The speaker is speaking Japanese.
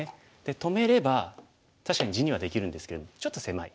止めれば確かに地にはできるんですけれどもちょっと狭い。